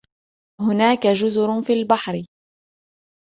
هناك جزر في البحر.